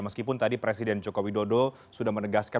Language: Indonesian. meskipun tadi presiden joko widodo sudah menegaskan